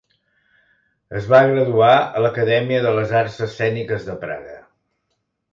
Es va graduar a l'Acadèmia de les Arts Escèniques de Praga.